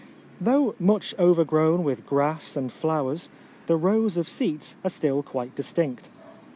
Though much overgrown with grass and flowers, the rows of seats are still quite dis tinct.